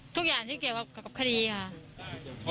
ทุกอย่างที่เกี่ยวกับคดีค่ะ